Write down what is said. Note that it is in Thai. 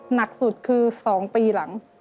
หนักสุดคือ๒ปีหลัง